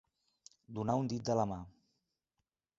Donar un dit de la mà.